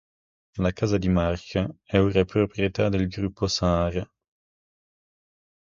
La casa di Mark è ora di proprietà del gruppo Sahara.